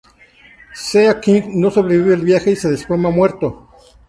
Sea King no sobrevive al viaje y se desploma muerto.